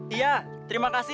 iya terima kasih